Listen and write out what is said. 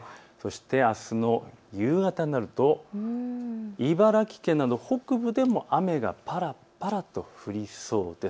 あすの夕方になると茨城県など北部でも雨がぱらぱらと降りそうです。